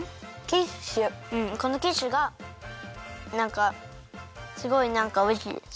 このキッシュがなんかすごいなんかおいしいです。